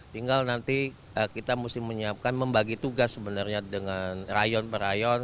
tinggal nanti kita mesti menyiapkan membagi tugas sebenarnya dengan rayon per rayon